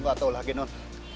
gak tau lagi non